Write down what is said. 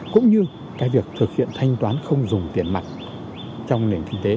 cũng như việc thực hiện thanh toán không dùng tiền mặt trong nền kinh tế